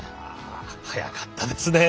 速かったですね。